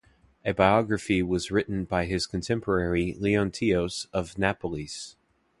A biography was written by his contemporary Leontios of Neapolis.